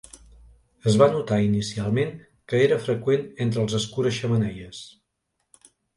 Es va notar inicialment que era freqüent entre els escura-xemeneies.